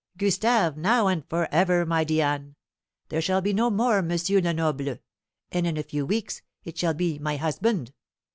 "Gustave, now and for ever, my Diane! There shall be no more Monsieur Lenoble. And in a few weeks it shall be 'my husband.'